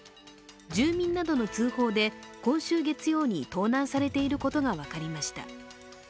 住民などの通報で今週月曜に盗難されていることが分かりました。